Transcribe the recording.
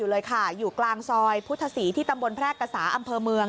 เลยค่ะอยู่กลางซอยพุทธศรีที่ตำบลแพร่กษาอำเภอเมือง